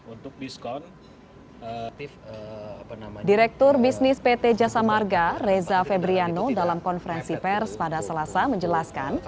untuk diskon direktur bisnis pt jasa marga reza febriano dalam konferensi pers pada selasa menjelaskan